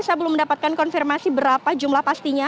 saya belum mendapatkan konfirmasi berapa jumlah pastinya